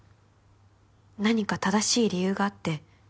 「何か正しい理由があって」